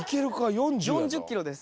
４０ｋｇです。